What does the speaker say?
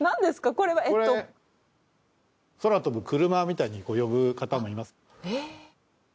これ空飛ぶクルマみたいに呼ぶ方もいます。